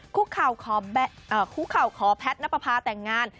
คุกเข่าคอแพทย์นัปภาแต่งงาน